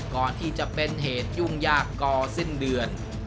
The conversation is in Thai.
ก่อนที่จะเป็นเหตุยุ่งยากก่อสิ้นเดือน